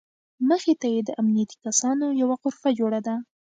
مخې ته یې د امنیتي کسانو یوه غرفه جوړه ده.